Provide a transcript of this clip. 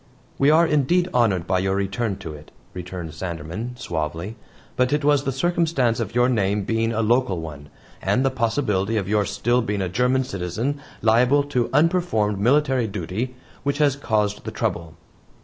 "We are indeed honored by your return to it," returned Sanderman suavely, "but it was the circumstance of your name being a local one, and the possibility of your still being a German citizen liable to unperformed military duty, which has caused the trouble."